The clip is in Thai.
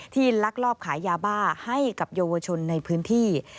ที่รักลอบขายาบ้าให้กับโยชนในพื้นที่